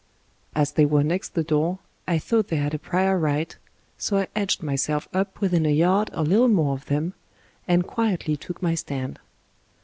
As they were next the door, I thought they had a prior right, so I edged myself up within a yard or little more of them, and quietly took my stand.